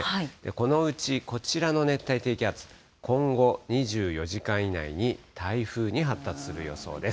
このうちこちらの熱帯低気圧、今後２４時間以内に、台風に発達する予想です。